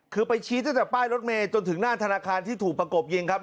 คือไปชี้ตั้งแต่ป้ายรถเมย์จนถึงหน้าธนาคารที่ถูกประกบยิงครับ